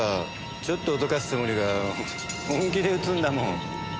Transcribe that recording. ちょっと脅かすつもりが本気で撃つんだもん。